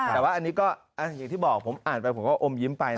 แต่ว่าอันนี้ก็อย่างที่บอกผมอ่านไปผมก็อมยิ้มไปนะ